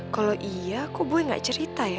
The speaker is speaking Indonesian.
kalau iya kok gue gak cerita ya